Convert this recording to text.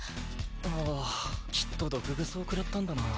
ああきっと毒糞をくらったんだな。